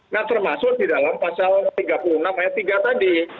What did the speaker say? nah termasuk di dalam pasal tiga puluh enam ayat tiga tadi